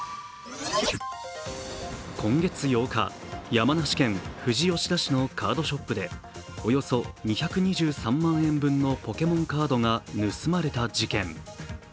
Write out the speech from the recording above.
今月８日、山梨県富士吉田市のカードショップでおよそ２２３万円分のポケモンカードが盗まれた事件。